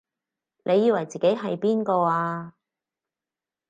你以為自己係邊個啊？